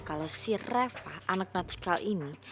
kalau si reva anak natural ini